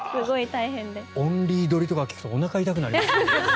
オンリーどりとか聞くとおなかが痛くなります。